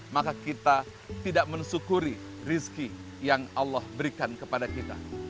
maka kita tidak mensyukuri rizki yang allah berikan kepada kita